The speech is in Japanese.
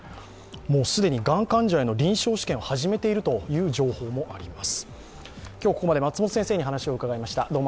すでにがん患者への臨床試験を始めているという情報もあります